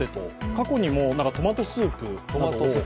過去にもトマトスープ。